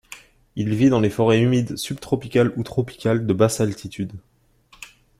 Il vit dans les forêts humides subtropicales ou tropicales de basse altitude.